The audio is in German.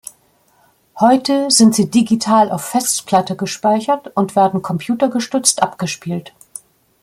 Heute sind sie digital auf Festplatte gespeichert und werden computergestützt abgespielt.